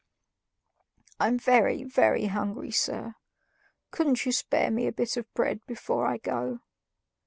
"I'm very, very hungry, sir; couldn't you spare me a bit of bread before I go?"